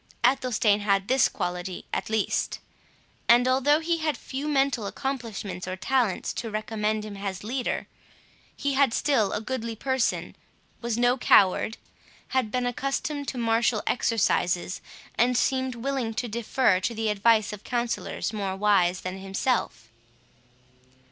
Athelstane had this quality at least; and though he had few mental accomplishments or talents to recommend him as a leader, he had still a goodly person, was no coward, had been accustomed to martial exercises, and seemed willing to defer to the advice of counsellors more wise than himself.